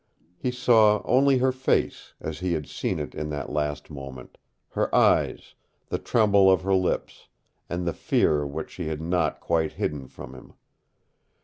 He saw only her face, as he had seen it in that last moment her eyes, the tremble of her lips, and the fear which she had not quite hidden from him.